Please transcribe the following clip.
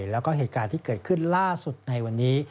แล้วก็เหตุการณ์ที่เกิดขึ้นล่าสุดในวันนี้